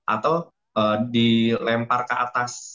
atau dilempar ke atas